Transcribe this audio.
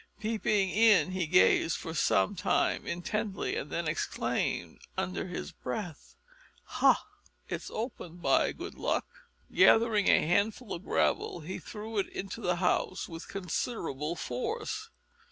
Peeping in he gazed for some time intently, and then exclaimed under his breath, "Ha! it's open by good luck." Gathering a handful of gravel, he threw it into the house with considerable force.